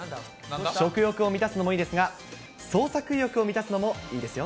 食欲を満たすのもいいですが、創作意欲を満たすのもいいですよ。